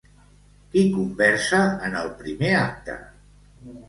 Qui conversa en el primer acte?